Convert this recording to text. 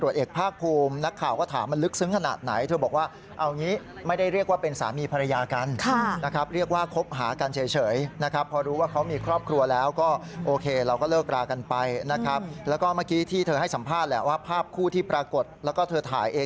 หนูไม่ได้ทำพวกหนูไม่ได้ทำจะให้หนูเขียน